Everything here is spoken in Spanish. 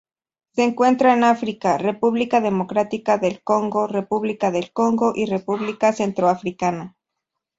Se encuentran en África: República Democrática del Congo, República del Congo y República Centroafricana.